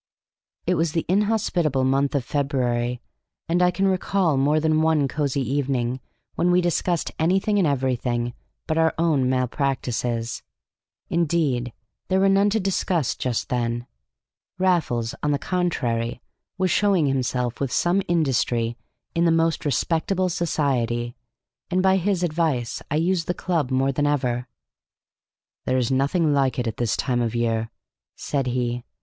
It was the inhospitable month of February, and I can recall more than one cosy evening when we discussed anything and everything but our own malpractices; indeed, there were none to discuss just then. Raffles, on the contrary, was showing himself with some industry in the most respectable society, and by his advice I used the club more than ever. "There is nothing like it at this time of year," said he.